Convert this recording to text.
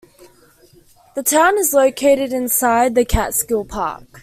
The town is located inside the Catskill Park.